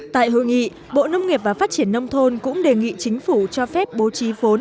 tại hội nghị bộ nông nghiệp và phát triển nông thôn cũng đề nghị chính phủ cho phép bố trí vốn